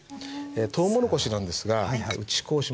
とうもろこしなんですが打ち粉をします。